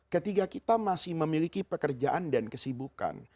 ketika kita masih memiliki pekerjaan dan kesibukan